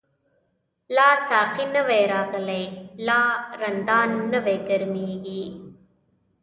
لا ساقی نوی راغلی، لا رندان نوی گرمیږی